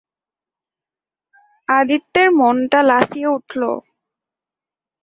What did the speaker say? আদিত্যের মনটা লাফিয়ে উঠল।